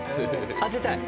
当てたい！